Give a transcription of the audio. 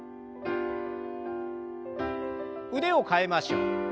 腕を替えましょう。